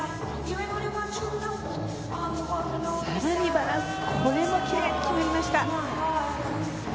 バランスこれもきれいに決まりました！